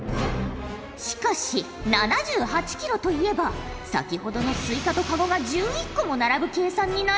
しかし７８キロといえば先ほどのスイカとかごが１１個も並ぶ計算になるぞ。